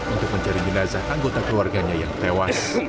untuk mencari jenazah anggota keluarganya yang tewas